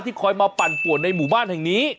คอยมาปั่นป่วนในหมู่บ้านแห่งนี้